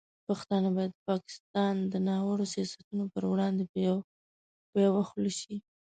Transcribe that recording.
پښتانه باید د پاکستان د ناوړه سیاستونو پر وړاندې په یوه خوله شي.